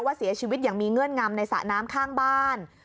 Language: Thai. เสียชีวิตอย่างมีเงื่อนงำในสระน้ำข้างบ้าน